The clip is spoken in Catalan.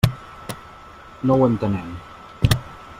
No ho entenem.